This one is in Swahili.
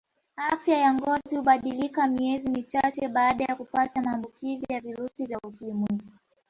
Afya ya ngozi hubadilika miezi michache baada ya kupata maamukizi ya virusi vya ukimwi